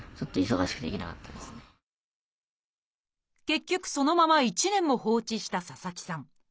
結局そのまま１年も放置した佐々木さん。